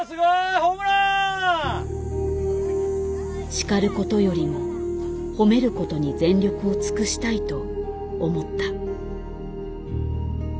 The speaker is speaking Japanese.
叱ることよりも褒めることに全力を尽くしたいと思った。